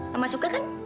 mama suka kan